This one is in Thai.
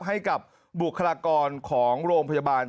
ให้กับบุคลากรของโรงพยาบาล